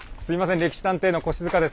「歴史探偵」の越塚です。